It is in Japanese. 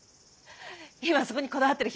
今そこにこだわってる